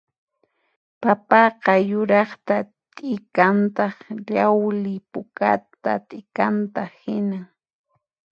Papaqa yuraqta t'ikantaq llawli pukata t'ikantaq hinan